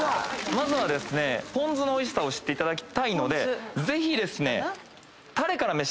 まずはポン酢のおいしさを知っていただきたいのでぜひ。